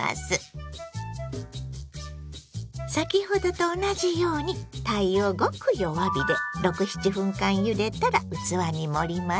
先ほどと同じようにたいをごく弱火で６７分間ゆでたら器に盛ります。